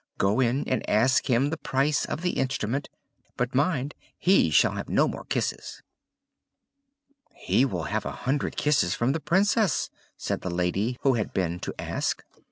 Go in and ask him the price of the instrument; but mind, he shall have no more kisses!" "He will have a hundred kisses from the Princess!" said the lady who had been to ask.